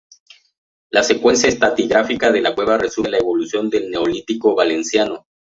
La secuencia estratigráfica de la cueva resume la evolución del Neolítico valenciano.